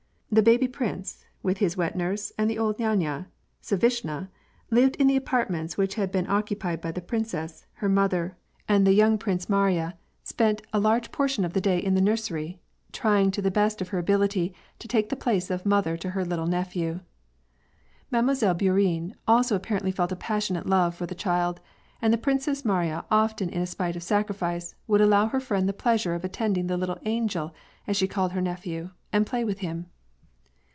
The baby prince, with his wet nurse and the old nyanya Savishna, lived in the apartments which had been occupied by the princess, his mother, and the yoimg Princess Mariya spent WAll AND PEACE. 95 a large portion of the day in the nursery, trying to the best of her ability to take the place of mother to her little nephew. Mile. Bourienne also apparently felt a passionate love for the child, and the Princess Mariya, often in a spirit of sacrifice, would allow her friend the pleasure of attending the little "angel," as she called her nephew, and play with him.